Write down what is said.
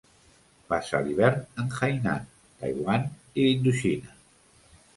Passa l'hivern en Hainan, Taiwan i Indoxina.